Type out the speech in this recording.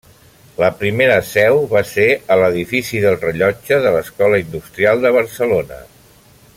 La primera seu va ser a l'Edifici del Rellotge de l'Escola Industrial de Barcelona.